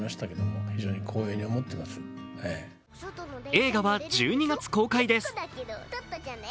映画は１２月公開です。